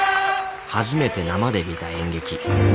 初めて生で見た演劇。